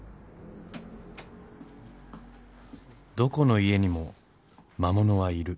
どこの家にも魔物はいる。